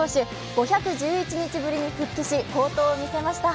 ５１１日ぶりに復帰し好投を見せました。